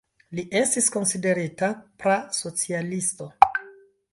Li estis konsiderita pra-socialisto.